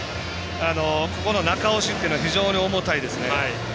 ここの中押しというのは非常に重たいですね。